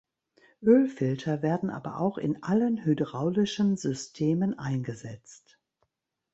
Ölfilter werden aber auch in allen hydraulischen Systemen eingesetzt.